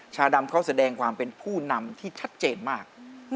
ชาดำเขาแสดงความเป็นผู้นำที่ชัดเจนมาก